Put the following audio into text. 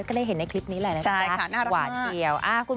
ก็ได้เห็นในคลิปนี้แหละนะจ๊ะหวานเจียว